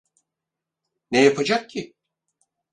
Ne yapacak ki?